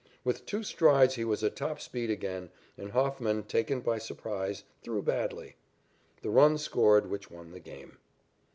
With two strides he was at top speed again, and Hofman, taken by surprise, threw badly. The run scored which won the game.